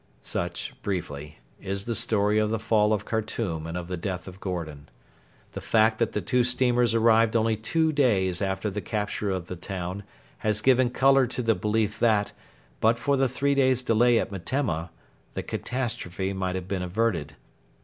Such, briefly, is the story of the fall of Khartoum and of the death of Gordon. The fact that the two steamers arrived only two days after the capture of the town has given colour to the belief that, but for the three days' delay at Metemma, the catastrophe might have been averted.